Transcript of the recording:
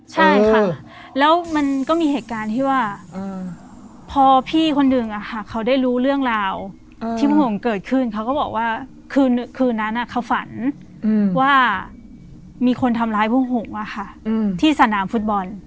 ใช่ค่ะแล้วมันก็มีเหตุการณ์ที่ว่าพอพี่คนหนึ่งเขาได้รู้เรื่องราวที่พวกหงเกิดขึ้นเขาก็บอกว่าคืนนั้นเขาฝันว่ามีคนทำร้ายพวกหงที่สนามฟุตบอล